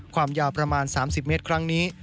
ความยาวประมาณ๓๐เมตรครั้งนี้